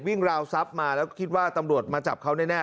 วิ่งราวซับมาแล้วก็คิดว่าตำลวจมาจับเขาแน่แน่